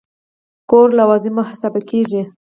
کور لوازم محاسبه کېږي.